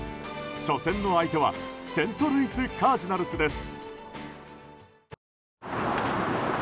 初戦の相手はセントルイス・カージナルスです。